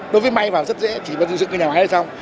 sợi vào rất dễ chỉ cần dùng sữa cây nhà máy là xong